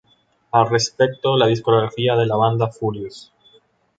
Al respecto la discográfica de la banda "Furious?